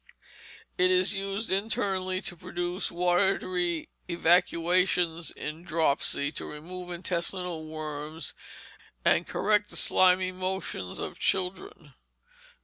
It is used internally, to produce watery evacuations in dropsy, to remove intestinal worms, and correct the slimy motions of children.